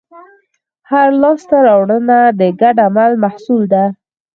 هره لاستهراوړنه د ګډ عمل محصول ده.